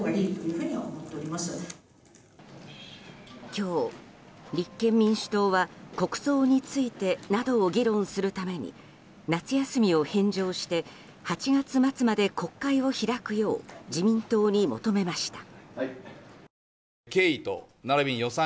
今日、立憲民主党は国葬についてなどを議論するために夏休みを返上して８月末まで国会を開くよう自民党に求めました。